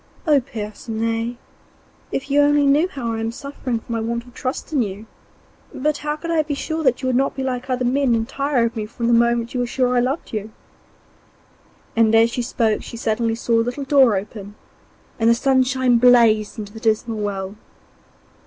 'Oh, Percinet! if you only knew how I am suffering for my want of trust in you! But how could I be sure that you would not be like other men and tire of me from the moment you were sure I loved you?' As she spoke she suddenly saw a little door open, and the sunshine blazed into the dismal well.